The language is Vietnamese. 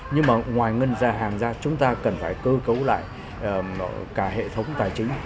nhưng mà ngoài ngân ra hàng ra chúng ta cần phải cơ cấu lại cả hệ thống tài chính